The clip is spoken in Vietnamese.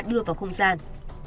đưa vào không gian